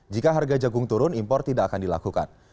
jika harga jagung turun impor tidak akan dilakukan